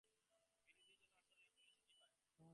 বিনোদিনী যেন আশ্চর্য হইয়া কহিল, সে কী, ভাই!